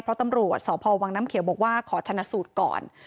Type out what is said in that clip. เพราะตำรวจสพวังน้ำเขียวบอกว่าขอชนะสูตรก่อน